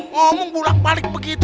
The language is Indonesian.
ngomong bulak balik begitu